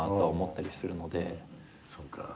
そうか。